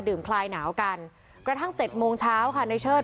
คลายหนาวกันกระทั่ง๗โมงเช้าค่ะในเชิด